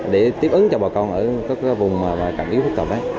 để tiếp ứng cho bà con ở các vùng cạnh yếu phức tạp đấy